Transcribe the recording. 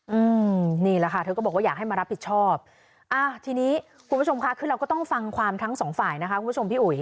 อืมนี่แหละค่ะเธอก็บอกว่าอยากให้มารับผิดชอบอ่าทีนี้คุณผู้ชมค่ะคือเราก็ต้องฟังความทั้งสองฝ่ายนะคะคุณผู้ชมพี่อุ๋ย